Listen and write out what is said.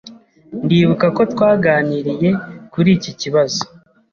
Ndibuka ko twaganiriye kuri iki kibazo.